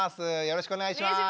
よろしくお願いします。